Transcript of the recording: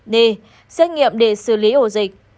d xét nghiệm để xử lý ổ dịch